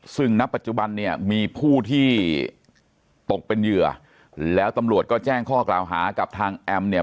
ซึ่งณปัจจุบันเนี่ยมีผู้ที่ตกเป็นเหยื่อแล้วตำรวจก็แจ้งข้อกล่าวหากับทางแอมเนี่ย